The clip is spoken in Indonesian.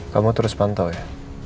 kamu terus pantau ya